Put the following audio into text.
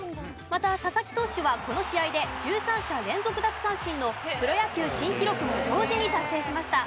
また佐々木投手はこの試合で１３者連続奪三振のプロ野球新記録も同時に達成しました。